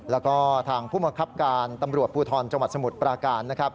แล้วก็ทางผู้มังคับการตำรวจภูทรจังหวัดสมุทรปราการนะครับ